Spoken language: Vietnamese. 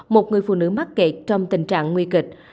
một người phụ nữ mắc kẹt trong tình trạng nguy kịch